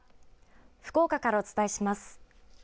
福岡からお伝えします。